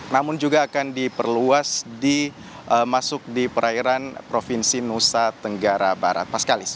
namun juga akan diperluas di masuk di perairan provinsi nusa tenggara barat paskalis